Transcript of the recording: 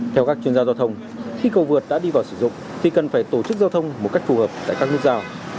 theo các chuyên gia giao thông khi cầu vượt đã đi vào sử dụng thì cần phải tổ chức giao thông một cách phù hợp tại các nút giao